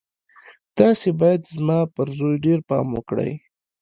تاسې بايد زما پر زوی ډېر پام وکړئ.